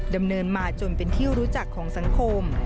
ดำเนินมาจนเป็นที่รู้จักของสังคม